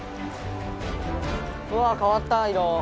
うわかわった色。